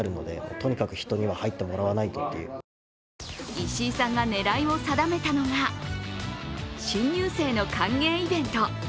石井さんが狙いを定めたのが、新入生の歓迎イベント。